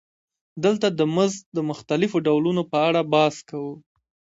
دلته د مزد د مختلفو ډولونو په اړه بحث کوو